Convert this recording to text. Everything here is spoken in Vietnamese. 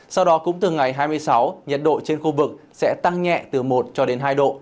sau đó cũng từ ngày hai mươi sáu nhiệt độ trên khu vực sẽ tăng nhẹ từ một cho đến hai độ